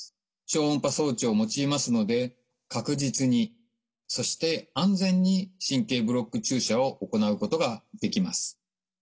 超音波装置を用いますので確実にそして安全に神経ブロック注射を行うことができます。